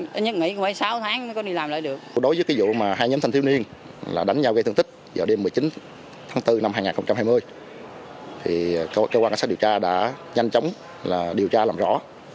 thì cơ quan cảnh sát điều tra đã nhanh chóng là điều tra làm rõ